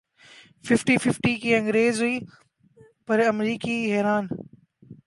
fifty fifty کی انگریزی پر امریکی حیران